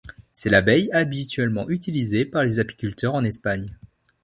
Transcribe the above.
C'est l'abeille habituellement utilisée par les apiculteurs en Espagne.